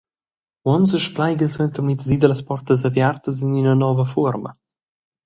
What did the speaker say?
Uonn sespleiga il suentermiezdi dallas portas aviartas en ina nova fuorma.